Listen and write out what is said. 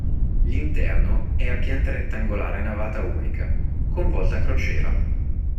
L'interno è a pianta rettangolare a navata unica, con volta a crociera.